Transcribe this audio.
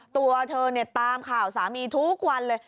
ตัวเธอตามข่าวสามีทุกวันเลย